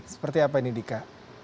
seperti apa ini dika